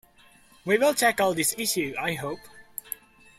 We will tackle this issue, I hope.